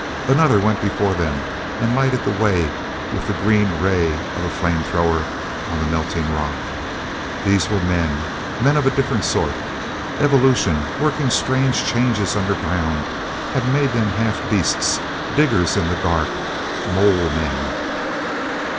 Another went before them and lighted the way with the green ray of a flame thrower on the melting rock. These were men—men of a different sort. Evolution, working strange changes underground, had made them half beasts, diggers in the dark, mole men!